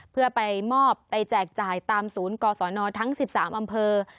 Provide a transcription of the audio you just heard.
เพื่อไปมอบไปแจกจ่ายตามศูนย์กศนทั้ง๑๓อำเภอ